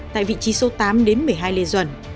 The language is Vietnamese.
tại vị trí số tám đến một mươi hai lê duẩn